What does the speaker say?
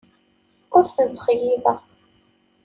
Ur ten-ttxeyyibeɣ.